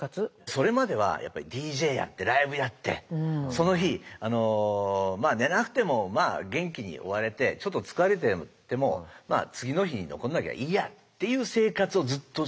それまではＤＪやってライブやってその日寝なくても元気に終われてちょっと疲れてても次の日に残んなきゃいいやっていう生活をずっとしてたんですけれども。